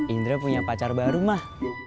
indra punya pacar baru mah